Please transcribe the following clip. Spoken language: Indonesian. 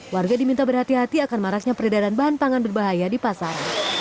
warga diminta berhati hati akan maraknya peredaran bahan pangan berbahaya di pasar